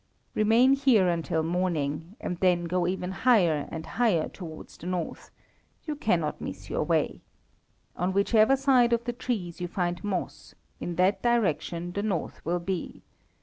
Remain here till morning, and then go even higher and higher towards the north; you cannot miss your way. On whichever side of the trees you find moss, in that direction the north will be.